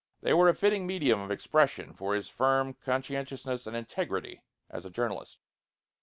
They were a fitting medium of expression for his firm conscientiousness and integrity as a journalist.